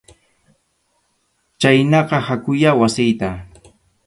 Chhaynaqa hakuyá wasiyta.